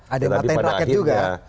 ada yang matain raket juga